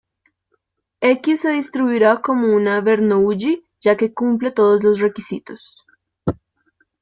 X se distribuirá como una Bernoulli, ya que cumple todos los requisitos.